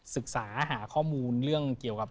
ศึกษาหาข้อมูลเรื่องเกี่ยวกับ